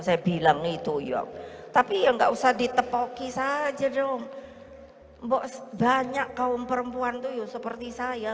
saya bilang itu yuk tapi enggak usah ditepoki saja dong box banyak kaum perempuan tuh seperti saya